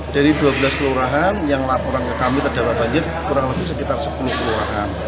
dari dua belas kelurahan yang laporan ke kami terdampak banjir kurang lebih sekitar sepuluh kelurahan